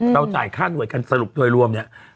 จ่ายค่าหน่วยกันสรุปโดยรวมเนี่ย